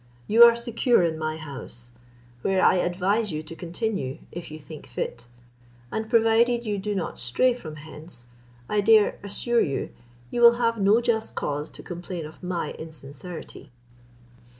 You are secure in my house, where I advise you to continue, if you think fit; and, provided you .do not stray from hence, I dare assure you, you will have no just cause to complain of my insincerity."